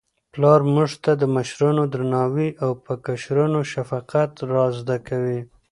پلار موږ ته د مشرانو درناوی او په کشرانو شفقت را زده کوي.